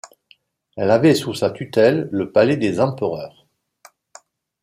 Elle avait sous sa tutelle le palais des empereurs.